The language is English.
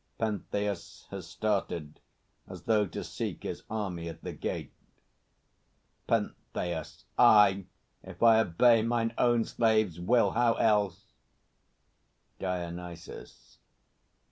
[PENTHEUS has started as though to seek his army at the gate. PENTHEUS. Aye, if I obey Mine own slaves' will; how else? DIONYSUS.